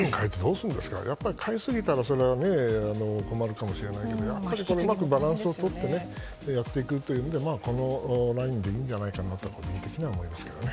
代えすぎたらそれは困るかもしれないけどうまくバランスをとってやっていくというのでこのラインでいいんじゃないかと私は思いますけどね。